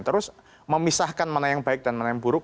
terus memisahkan mana yang baik dan mana yang buruk